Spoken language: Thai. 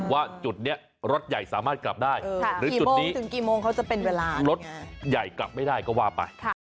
ว่าจุดนี้รถใหญ่สามารถกลับได้หรือจุดนี้รถใหญ่กลับไม่ได้ก็ว่าไป